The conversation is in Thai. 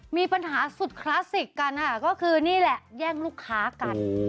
มีปัญหาสุดคลาสสิกกันค่ะก็คือนี่แหละแย่งลูกค้ากัน